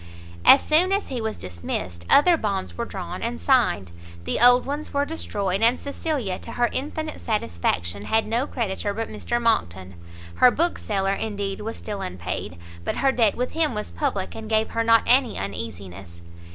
As soon as he was dismissed, other bonds were drawn and signed, the old ones were destroyed; and Cecilia, to her infinite satisfaction, had no creditor but Mr Monckton. Her bookseller, indeed, was still unpaid, but her debt with him was public, and gave her not any uneasiness.